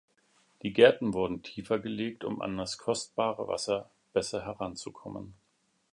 Die Gärten wurden tiefer gelegt um an das kostbare Wasser besser heranzukommen.